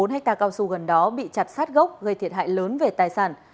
bốn hectare cao su gần đó bị chặt sát gốc gây thiệt hại lớn về tài sản